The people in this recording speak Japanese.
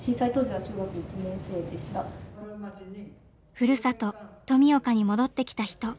ふるさと・富岡に戻ってきた人